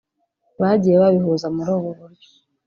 bagiye babihuza muri ubu buryo